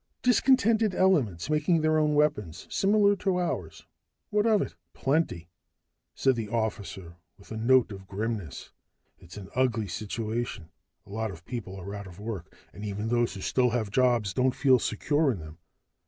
"Discontented elements making their own weapons, similar to ours what of it?" "Plenty," said the officer with a note of grimness. "It's an ugly situation. A lot of people are out of work, and even those who still have jobs don't feel secure in them.